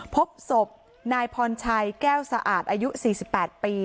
พบศพนายพรชัยแก้วสะอาดอายุ๔๘ปี